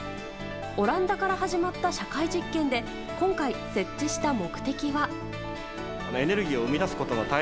オランダから始まった社会実験で今回、設置した目的は。